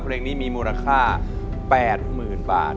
เพลงนี้มีมูลค่า๘๐๐๐บาท